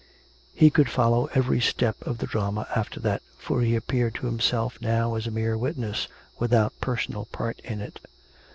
He could follow every step of the drama after that, for he appeared to himself now as a mere witness, without personal part in it.